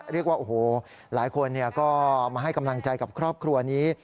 เรียกว่าโอ้โหหลายคนก็มาให้กำลังใจกับครอบครัวนี้